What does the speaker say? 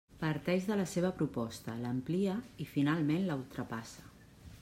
Parteix de la seva proposta, l'amplia i finalment la ultrapassa.